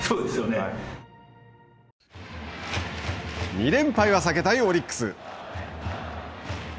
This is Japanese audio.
２連敗は避けたいオリックス。